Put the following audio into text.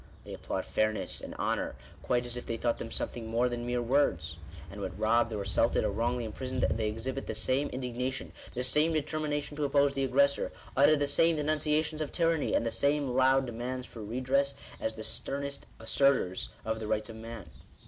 They applaud fairness, and honour, quite as if they thought them something more than mere words. And when robbed, or assaulted, or wrongly imprisoned, they exhibit Digitized by VjOOQIC 94 SECONDARY DERIVATION OF A FIRST PRINCIPLE. the same indignation, the same determination to oppose the aggressor, utter the same denunciations of tyranny, and the same loud demands for redress, as the sternest assertors of the rights of man.